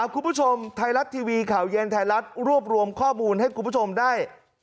คุณผู้ชมไทยรัฐทีวีข่าวเย็นไทยรัฐรวบรวมข้อมูลให้คุณผู้ชมได้